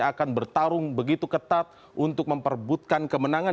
akan bertarung begitu ketat untuk memperbutkan kemenangan